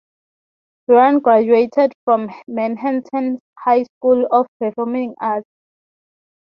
Vereen graduated from Manhattan's High School of Performing Arts.